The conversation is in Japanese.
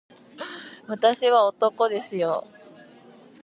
私は男ですよ